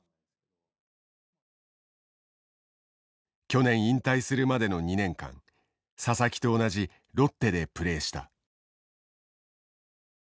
去年引退するまでの２年間佐々木と同じロッテでプレーした。